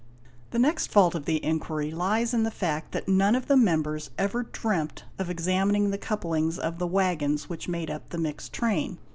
"The next fault of the inquiry lies in the fact that none of the members ever dreamt of 7 examining the couplings of the waggons which made up the mixed train.